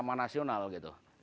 yang tidak bisa akan bergerak lagi